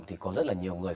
thì có rất là nhiều người